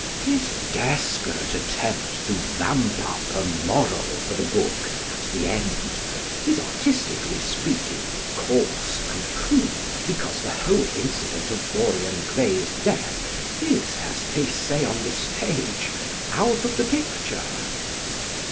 His desperate effort to vamp up a "moral" for the book at the end is, artistically speaking, coarse and crude, because the whole incident of Dorian Gray's death is, as they say on the stage, "out of the picture."